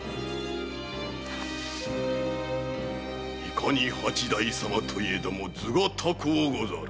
いかに八代様といえども頭が高うござる。